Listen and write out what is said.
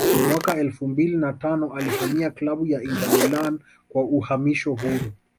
Mwaka elfu mbili na tano alihamia klabu ya Inter Milan kwa uhamisho huru